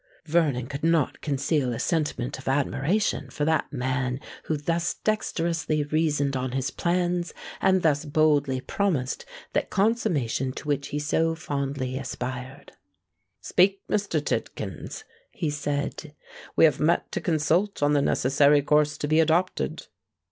Vernon could not conceal a sentiment of admiration for that man who thus dexterously reasoned on his plans, and thus boldly promised that consummation to which he so fondly aspired. "Speak, Mr. Tidkins," he said; "we have met to consult on the necessary course to be adopted."